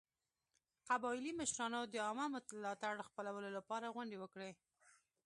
قبایلي مشرانو د عامه ملاتړ خپلولو لپاره غونډې وکړې.